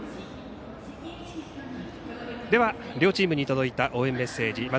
では両チームに届いた応援メッセージ。